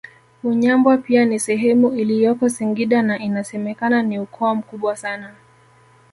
Unyambwa pia ni sehemu iliyoko Singida na inasemekana ni ukoo mkubwa sana